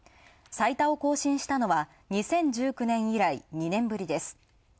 最多を更新したのは２０１９年以来２年ぶりです。